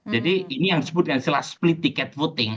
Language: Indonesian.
jadi ini yang disebutkan setelah split ticket voting